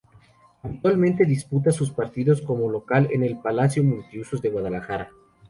Habitualmente disputa sus partidos como local en el Palacio Multiusos de Guadalajara.